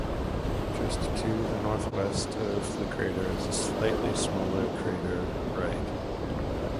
Just to the northwest of the crater is the slightly smaller crater Wright.